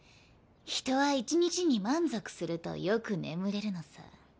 人は一日に満足するとよく眠れるのさ。